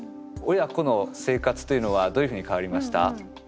親子の生活というのはどういうふうに変わりました？